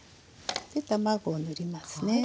で卵を塗りますね。